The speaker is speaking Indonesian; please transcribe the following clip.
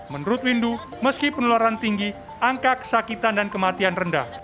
menurut windu meski penularan tinggi angka kesakitan dan kematian rendah